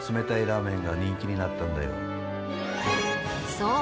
そう！